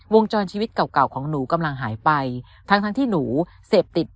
วงจรชีวิตเก่าของหนูกำลังหายไปทั้งที่หนูเสพติด